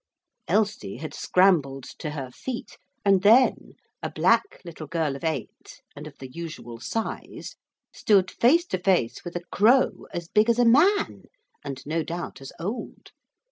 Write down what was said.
Elsie had scrambled to her feet, and then a black little girl of eight and of the usual size stood face to face with a crow as big as a man, and no doubt as old.